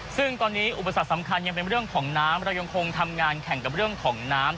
ซึ่งตอนนี้อุปสรรคสำคัญยังเป็นเรื่องของน้ำเรายังคงทำงานแข่งกับเรื่องของน้ำ